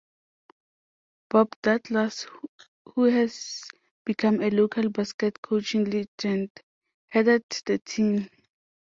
Bob Douglas, who has become a local basketball coaching legend, headed the team.